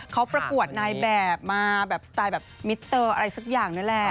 เขาประกวดนายแบบมาแบบสไตล์แบบมิเตอร์อะไรสักอย่างนี่แหละ